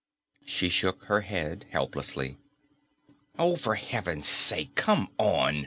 She shook her head helplessly. "Oh, for heaven's sake, come on!"